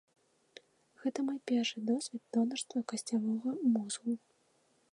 Гэта мой першы досвед донарства касцявога мозгу.